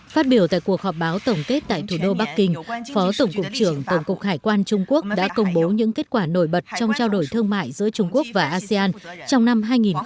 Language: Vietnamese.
phát biểu tại cuộc họp báo tổng kết tại thủ đô bắc kinh phó tổng cục trưởng tổng cục hải quan trung quốc đã công bố những kết quả nổi bật trong trao đổi thương mại giữa trung quốc và asean trong năm hai nghìn hai mươi